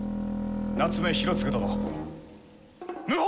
夏目広次殿謀反！